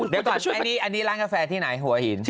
เดี๋ยวก่อนอันนี้ร้านกาแฟที่ไหนหัวหิน